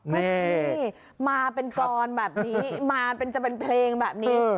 แม่มาเป็นกรอนแบบนี้มาเป็นจะเป็นเพลงแบบนี้